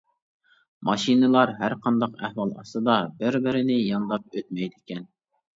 ماشىنىلار ھەرقانداق ئەھۋال ئاستىدا بىر-بىرىنى يانداپ ئۆتمەيدىكەن.